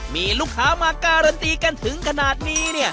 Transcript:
มีลูกค้ามาการันตีกันถึงขนาดนี้เนี่ย